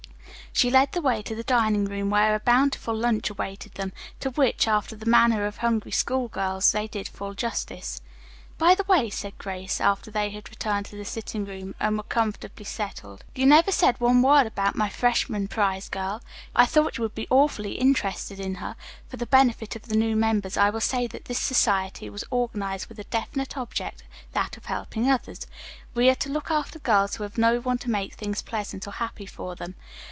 She led the way to the dining room, where a bountiful lunch awaited them, to which, after the manner of hungry school girls, they did full justice. "By the way," said Grace, after they had returned to the sitting room and were comfortably settled, "you never said one word about my freshman prize girl. I thought you would be awfully interested in her. For the benefit of the new members, I will say that this society was organized with a definite object, that of helping others. We are to look after girls who have no one to make things pleasant or happy for them.